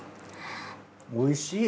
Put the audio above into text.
おいしい。